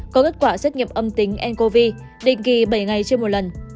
có kết quả xét nghiệm âm tính ncov định kỳ bảy ngày trên một lần